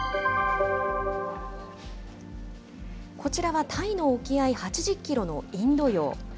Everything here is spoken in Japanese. こちらはタイの沖合８０キロのインド洋。